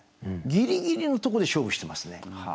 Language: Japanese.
ギリギリのとこで勝負してますね。